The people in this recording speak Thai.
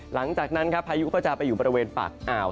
หลังจากนั้นครับพายุก็จะไปอยู่บริเวณปากอ่าว